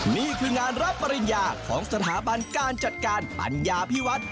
นี่คืองานรับปริญญาของสถาบันการจัดการปัญญาพิวัฒน์